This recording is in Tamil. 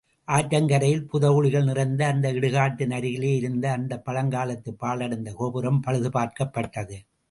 ஆற்றங்கரையில், புதைகுழிகள் நிறைந்த அந்த இடுகாட்டின் அருகிலே இருந்த அந்தப் பழங்காலத்துப் பாழடைந்த கோபுரம் பழுது பார்க்கப்பட்டது.